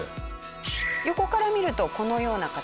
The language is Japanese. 横から見るとこのような形。